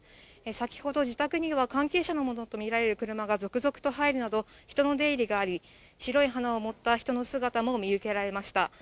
先ほど、自宅には、関係者のものと見られる車が続々と入るなど、人の出入りがあり、白い花を持った人の姿も見受けられました。